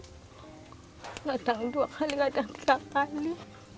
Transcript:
kadang dua kali kadang tiga kali